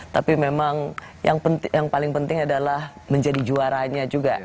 tapi memang yang paling penting adalah menjadi juaranya juga